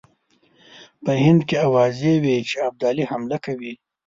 په هند کې آوازې وې چې ابدالي حمله کوي.